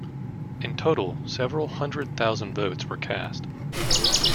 In total several hundred thousand votes were cast.